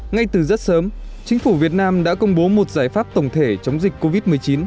ngay từ rất sớm chính phủ việt nam đã công bố một giải pháp tổng thể chống dịch covid một mươi chín